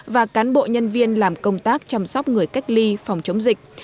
và cán bộ nhân viên làm công tác chăm sóc người cách ly phòng chống dịch